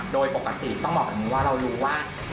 โดยปกติต้องบอกแบบนี้ว่าเรารู้ว่า